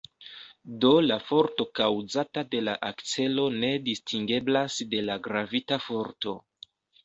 Do la forto kaŭzata de la akcelo ne distingeblas de la gravita forto.